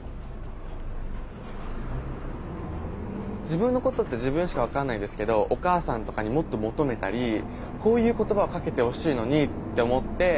自分のことって自分しか分かんないですけどお母さんとかにもっと求めたりこういう言葉をかけてほしいのにって思って。